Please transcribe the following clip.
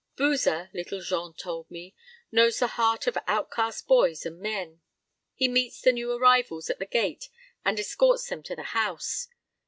"Boozer," Little Jean told me, "knows the heart of outcast boys and men. He meets the new arrivals at the gate and escorts them to the house.